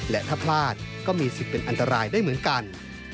และถ้าพลาดก็มีสิทธิ์เป็นอันตรายได้เหมือนกัน